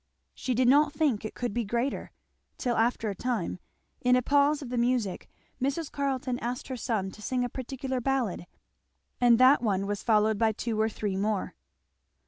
She did not think it could be greater, till after a time, in a pause of the music, Mrs. Carleton asked her son to sing a particular ballad, and that one was followed by two or three more.